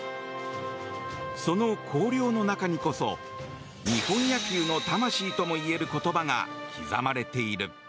その綱領の中にこそ日本野球の魂ともいえる言葉が刻まれている。